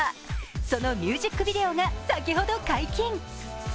そのミュージックビデオが先ほど解禁。